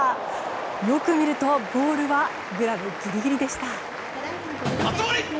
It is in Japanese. よく見るとボールはグラブギリギリでした。